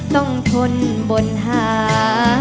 ต้องทนบนหา